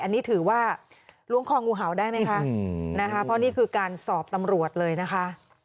อันนี้ถือว่าล้วงคองูเห่าได้ไหมคะนะคะเพราะนี่คือการสอบตำรวจเลยนะคะ